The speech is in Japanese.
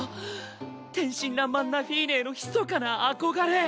天真爛漫なフィーネへのひそかな憧れ。